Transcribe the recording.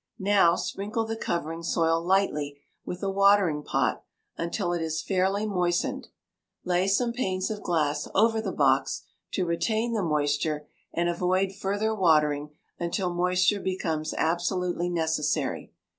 Now sprinkle the covering soil lightly with a watering pot until it is fairly moistened. Lay some panes of glass over the box to retain the moisture, and avoid further watering until moisture becomes absolutely necessary.